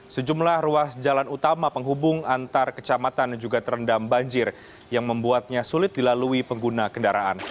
sejumlah ruas jalan utama penghubung antar kecamatan juga terendam banjir yang membuatnya sulit dilalui pengguna kendaraan